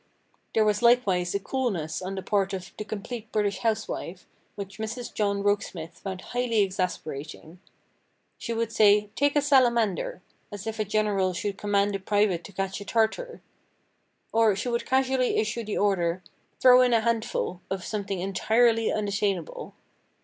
"There was likewise a coolness on the part of 'The Complete British Housewife' which Mrs. John Rokesmith found highly exasperating. She would say, 'Take a salamander,' as if a general should command a private to catch a Tartar. Or, she would casually issue the order, 'Throw in a handful' of something entirely unattainable.